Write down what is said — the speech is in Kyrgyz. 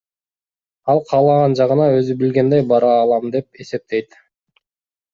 Ал каалаган жагына өзү билгендей бара алам деп эсептейт.